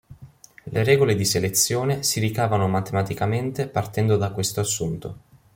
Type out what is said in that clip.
Le regole di selezione si ricavano matematicamente partendo da questo assunto.